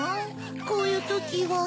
こういうときは。